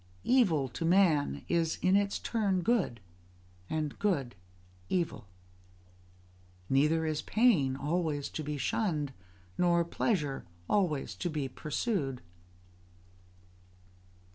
Evil to man is in its turn good, and good evil. Neither is pain always to be shunned, nor pleasure always to be pursued.